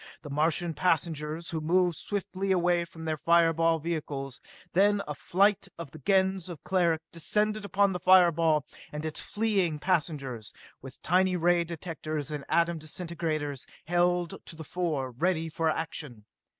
The Martian passengers, who moved swiftly away from their fire ball vehicles, then a flight of the Gens of Cleric descended upon the fireball and its fleeing passengers, with tiny ray directors and atom disintegrators held to the fore, ready for action.